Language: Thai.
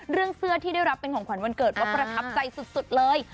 เสื้อที่ได้รับเป็นของขวัญวันเกิดว่าประทับใจสุดเลย